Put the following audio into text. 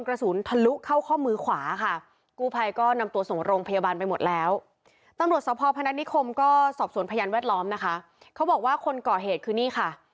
บันทึกสอบสนทรวจแผ่นแวดล้อมค่ะเขาบอกว่าคนก่อเหตุคือนี่ค่ะ